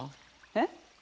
えっ？